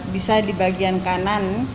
bisa di bagian kanan